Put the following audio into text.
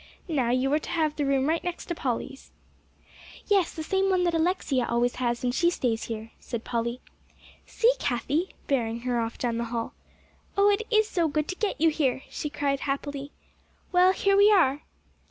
"Now, you are to have the room right next to Polly's." "Yes, the same one that Alexia always has when she stays here," said Polly. "See, Cathie," bearing her off down the hall. "Oh, it is so good to get you here," she cried happily. "Well, here we are!"